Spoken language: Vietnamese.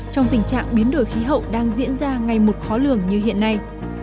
trong tình trạng biến đổi khí hậu đang diễn ra ngày một khó lường như hiện nay